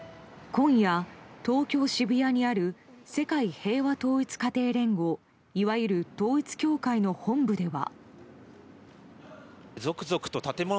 今夜、東京・渋谷にある世界平和統一家庭連合いわゆる統一教会の本部では。